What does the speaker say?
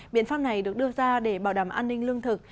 biện pháp này được đưa ra để bảo đảm an ninh lương thực